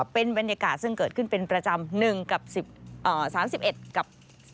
เป็นบรรยากาศซึ่งเกิดขึ้นเป็นประจำ๑กับ๓๑กับ